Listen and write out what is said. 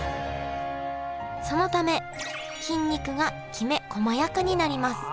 そのため筋肉がきめこまやかになります。